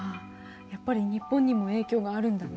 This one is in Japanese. やっぱり日本にも影響があるんだね。